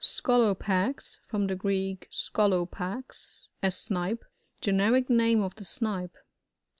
ScoLopAx. — From the Greek, skolo' paxt a Snipe. Generic name of the Snipe.